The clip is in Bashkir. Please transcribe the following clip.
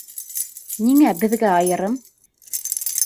Ниңә беҙгә айырым?